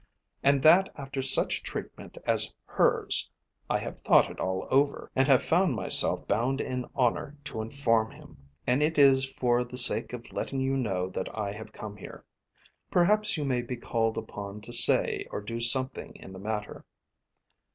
And that after such treatment as hers. I have thought it all over, and have found myself bound in honour to inform him. And it is for the sake of letting you know that I have come here. Perhaps you may be called upon to say or do something in the matter."